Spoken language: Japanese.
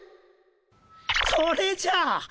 それじゃ！